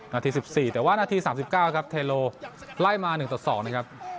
นัดที่สิบสี่แต่ว่านาทีสามสิบเก้าครับเทโลไล่มาหนึ่งตัดสองนะครับ